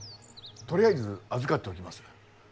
とりあえず預かっておきます。